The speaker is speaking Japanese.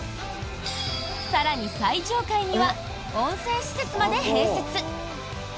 更に、最上階には温泉施設まで併設。